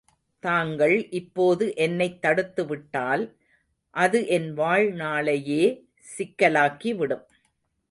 தாங்கள் இப்போது என்னைத் தடுத்துவிட்டால், அது என் வாழ்நாளையே சிக்கலாக்கி விடும்.